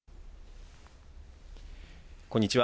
こんにちは。